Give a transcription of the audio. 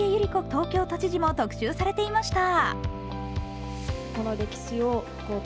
東京都知事も特集されていました。